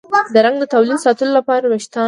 د رنګ د تولید ساتلو لپاره د ویښتانو